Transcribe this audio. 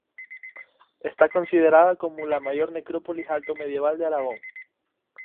Está considerada como la mayor necrópolis alto medieval de Aragón.